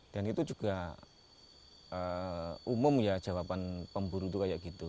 dan itu juga umum ya jawaban pemburu itu kayak gitu